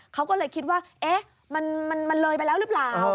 เขาก็เลยคิดว่าเอ๊ะมันเลยไปแล้วหรือเปล่า